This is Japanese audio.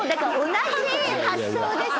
同じ発想です。